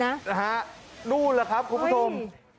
นะฮะนู่นเหรอครับคุณผู้ชม